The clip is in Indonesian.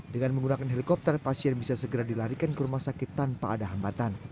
dengan menggunakan helikopter pasien bisa segera dilarikan ke rumah sakit tanpa ada hambatan